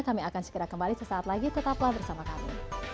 kami akan segera kembali sesaat lagi tetaplah bersama kami